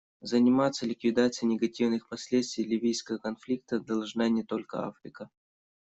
Заниматься ликвидацией негативных последствий ливийского конфликта должна не только Африка.